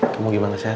kamu gimana sehat kan